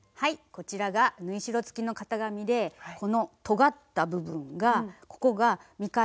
こちらが縫い代つきの型紙でこのとがった部分がここが「見返し」といいます。